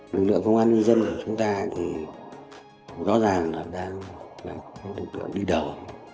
lực lượng công an nhân dân của chúng ta rõ ràng là lực lượng đi đầu